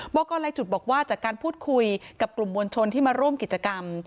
กรลายจุดบอกว่าจากการพูดคุยกับกลุ่มมวลชนที่มาร่วมกิจกรรม